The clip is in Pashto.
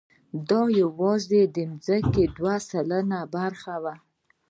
دا یواځې د ځمکې دوه سلنه برخه وه.